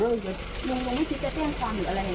ลุงยังไม่คิดจะแจ้งความหรืออะไร